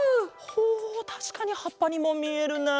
ほうたしかにはっぱにもみえるな。